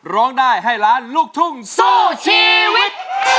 ร้องได้ให้ล้านลูกทุ่งสู้ชีวิต